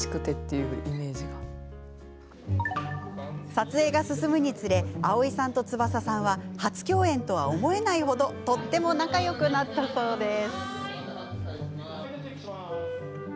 撮影が進むにつれ蒼井さんと翼さんは初共演とは思えない程とっても仲よくなったそうです。